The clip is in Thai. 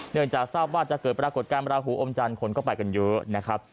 เนื่องจากทราบว่าจะเกิดปรากฏการณราหูอมจันทร์คนก็ไปกันเยอะนะครับ